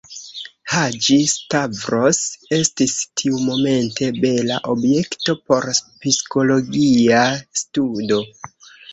Haĝi-Stavros estis tiumomente bela objekto por psikologia studo.